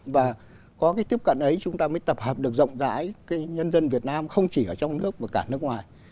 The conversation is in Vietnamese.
và có cái tiếp cận ấy chúng ta mới tập hợp được rộng rãi nhân dân việt nam không chỉ ở trong nước mà cả nước ngoài